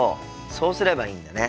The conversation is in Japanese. そうすればいいんだね。